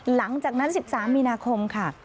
หลังจากนั้น๑๓มีนาคมค่ะ